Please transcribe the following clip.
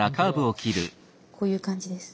こういう感じです。